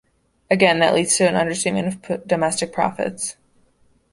Again that leads to an understatement of domestic profits.